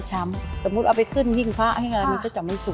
สมมุติเอาไปขึ้นหิ่งผ้าให้งั้นมันก็จะไม่สวย